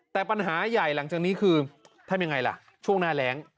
แต่ปัญหาใหญ่หลังจากนี้คือทำยังไงล่ะช่วงหน้าแรง